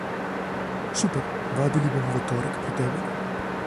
Super, vadili bomo v torek pri tebi.